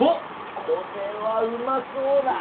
これはうまそうな。